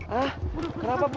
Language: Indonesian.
hah kenapa bu